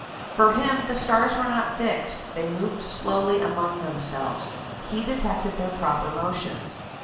For him the stars were not fixed: they moved slowly among themselves. He detected their proper motions.